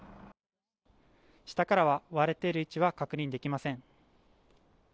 下から割れている位置は確認できません。